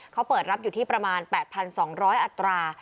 เขาเปิดรับอยู่ที่ประมาณ๘๒๐๐อัตรา